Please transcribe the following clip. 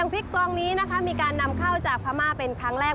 พริกกลองนี้นะคะมีการนำเข้าจากพม่าเป็นครั้งแรก